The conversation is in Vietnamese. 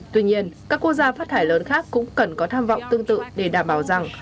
tuy nhiên các quốc gia phát thải lớn khác cũng cần có tham vọng tương tự để đảm bảo rằng